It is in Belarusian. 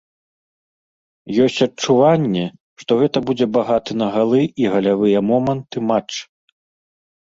Ёсць адчуванне, што гэта будзе багаты на галы і галявыя моманты матч.